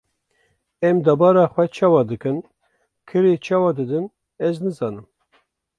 Em debara xwe çawa dikin, kirê çawa didin ez nizanim.